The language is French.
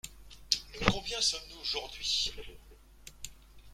Le combien sommes-nous aujourd’hui ?